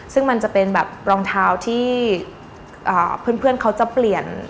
ซึ่งมันจะเป็นแบบรองเท้าที่เพื่อนเขาจะเปลี่ยน